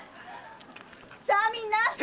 さあみんな！